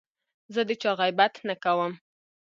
زه د چا غیبت نه کوم.